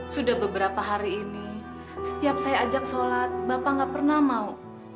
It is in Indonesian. sudah beberapa hari ini setiap saya ajak sholat bapak gak pernah mau